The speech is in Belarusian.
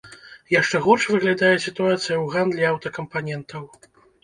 Яшчэ горш выглядае сітуацыя ў гандлі аўтакампанентаў.